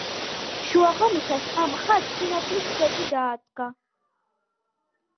შუაღამისას ამ ხატს სინათლის სვეტი დაადგა.